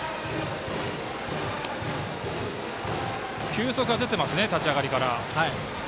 球速は出てます、立ち上がりから。